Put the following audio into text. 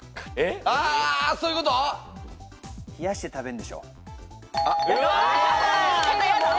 冷やして食べるんでしょ。